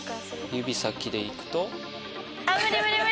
指先で行くと。